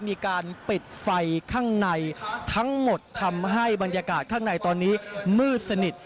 มีการปิดไฟข้างในทั้งหมดทำให้บรรยากาศข้างในตอนนี้มืดสนิท